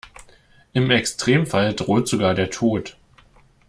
Im Extremfall droht sogar der Tod.